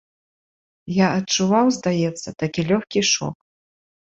Я адчуваў, здаецца, такі лёгкі шок.